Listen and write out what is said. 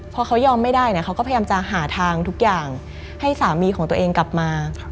พอเขายอมไม่ได้เขาก็พยายามจะหาทางทุกอย่างให้สามีของตัวเองกลับมา